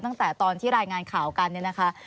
ตั้งแต่ตอนที่รายงานข่าวกันเนี่ยนะคะ